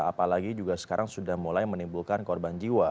apalagi juga sekarang sudah mulai menimbulkan korban jiwa